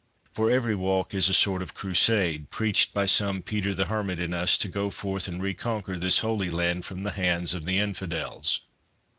For every walk is a sort of crusade, preached by some Peter the Hermit in us, to go forth and reconquer this Holy Land from the. hands of the Infidels."